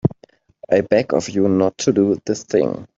I beg of you not to do this thing.